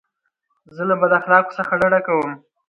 زه له بد اخلاقو څخه ډډه کوم.